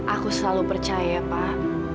aku selalu percaya pak